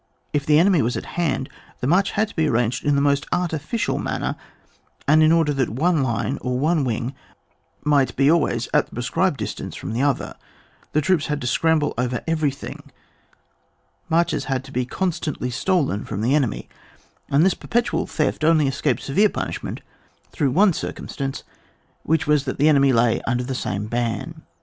If the enemy was at hand, the march had to be arranged in the most artificial man ner, and in order that one line or one wing might be always at the prescribed distance firom the other, the troops had to scramble over everything : marches had Ibo constantly to be stolen from the ene my, and this perpetual theft only escaped severe punishment through one circusi stance, which was, that the enemy lay under the same ban.